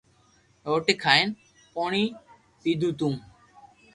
روٽي کائين پوڻي پيڌو تو